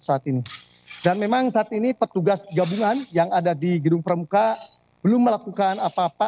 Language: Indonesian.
saat ini dan memang saat ini petugas gabungan yang ada di gedung pramuka belum melakukan apa apa